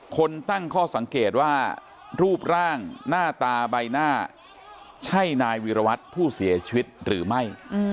คนตั้งข้อสังเกตว่ารูปร่างหน้าตาใบหน้าใช่นายวีรวัตรผู้เสียชีวิตหรือไม่